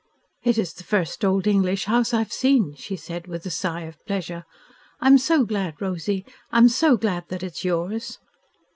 "It is the first old English house I have seen," she said, with a sigh of pleasure. "I am so glad, Rosy I am so glad that it is yours."